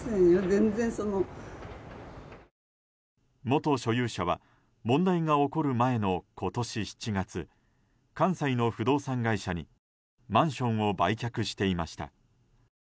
元所有者は問題が起こる前の今年７月関西の不動産会社にマンションを売却していました。